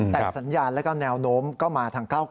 แต่สัญญาณแล้วก็แนวโน้มก็มาทางก้าวไกล